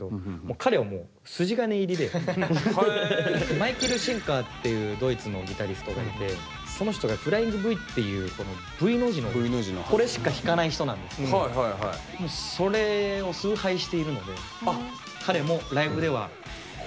彼はもう筋金入りでマイケル・シェンカーっていうドイツのギタリストがいてその人がフライングＶっていうＶの字のこれしか弾かない人なんですけどもうそれを崇拝しているので彼もライブではこれしか。